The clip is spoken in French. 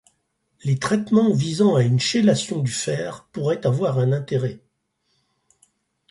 Les traitements visant à une chélation du fer pourraient avoir un intérêt.